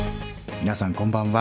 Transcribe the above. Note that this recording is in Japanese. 皆さんこんばんは。